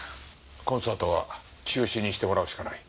コンサートは中止にしてもらうしかない。